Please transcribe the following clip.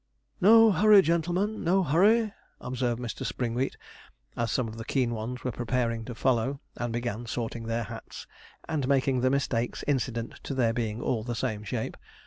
'No hurry, gentlemen no hurry,' observed Mr. Springwheat, as some of the keen ones were preparing to follow, and began sorting their hats, and making the mistakes incident to their being all the same shape.